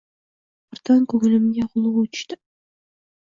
Birdan ko‘nglimga g‘ulg‘u tushdi.